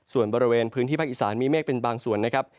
ส่วนบริเวณพื้นที่ภาคอีสานมีเมฆเป็นบางส่วนนะครับ